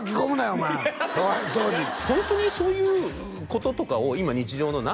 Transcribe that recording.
お前かわいそうにホントにそういうこととかを今日常の「何？